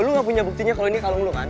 lo gak punya buktinya kalau ini kalung lo kan